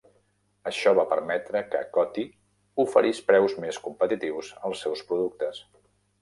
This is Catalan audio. Això va permetre que Coty oferís preus més competitius als seus productes.